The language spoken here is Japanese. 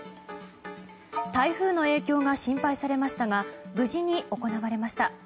台風の影響が心配されましたが無事に行われました。